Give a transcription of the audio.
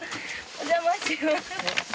お邪魔します。